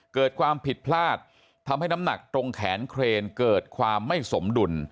เกิดความผิดพลาดทำให้น้ำหนักตรงแขนเครนเกิดความไม่สมดุล